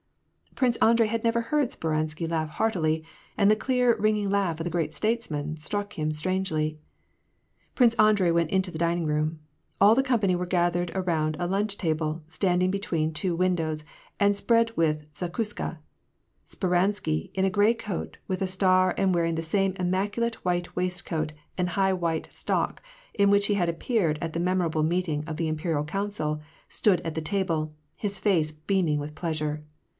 Prince Andrei dd never heard Speransky laugh heartily, and the clear, ring ing laugh of the great statesman struck him strangely. Prince Andrei went into the dining room. All the company were gathered around a lunch table, standing between two win dows, and spread with the zakuska, Speransky, in a gray coat, with a star, and wearing the same immaculate white waist coat and high white stock, in which he had appeared at the memorable meeting of the Imperial Council, stood at the table, his face beaming with pleasure.